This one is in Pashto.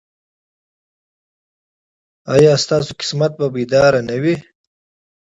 ایا ستاسو قسمت به بیدار نه وي؟